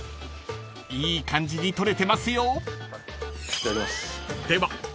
［いい感じに撮れてますよ］